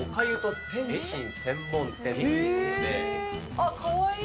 あっ、かわいい。